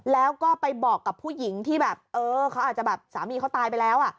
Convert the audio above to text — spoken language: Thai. แล้วก็ไปบอกกับผู้หญิงที่แบบเออเขาอาจจะแบบสามีเขาตายไปแล้วอ่ะ